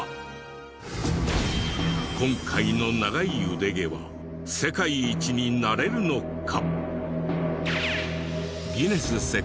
今回の長い腕毛は世界一になれるのか？